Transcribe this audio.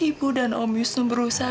ibu dan om yasnu berusahathe disconnect